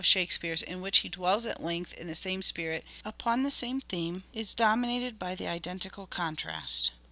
., Snakespeare's •• in which he dwells at iength in the same spirit upon the same theme is dominated by the identical contrast.